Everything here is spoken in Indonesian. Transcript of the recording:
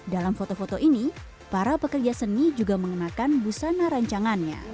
dalam foto foto ini para pekerja seni juga mengenakan busana rancangannya